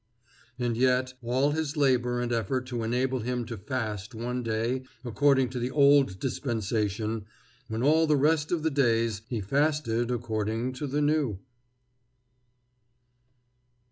And yet all this labor and effort to enable him to fast one day according to the old dispensation, when all the rest of the days he fasted according to the new!